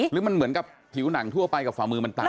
หรือมันเหมือนกับผิวหนังทั่วไปกับฝ่ามือมันตาย